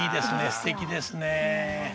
すてきですね。